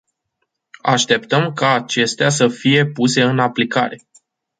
Așteptăm ca acestea să fie puse în aplicare.